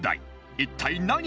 一体何が